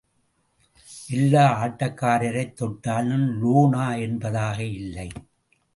எல்லா ஆட்டக்காரரைத் தொட்டாலும் லோனா என்பதாக இல்லை.